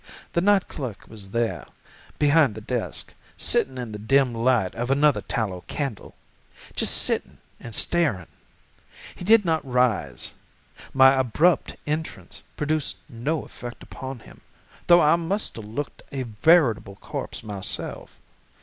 The night clerk was there, behind the desk, sitting in the dim light of another tallow candle—just sitting and staring. He did not rise: my abrupt entrance produced no effect upon him, though I must have looked a veritable corpse myself.